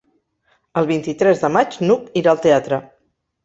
El vint-i-tres de maig n'Hug irà al teatre.